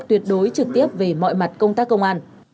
tuyệt đối trực tiếp về mọi mặt công tác công an